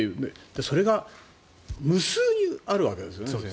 それが無数にあるわけですよね。